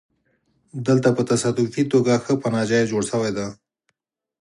دلته په تصادفي توګه ښه پناه ځای جوړ شوی دی